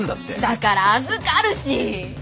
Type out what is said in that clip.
だから預かるし！